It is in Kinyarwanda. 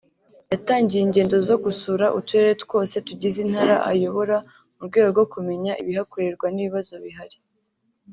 yatangiye ingendo zo gusura uturere twose tugize intara ayobora mu rwego rwo kumenya ibihakorerwa n’ibabazo bihari